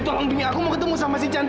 tolong buka pintu indi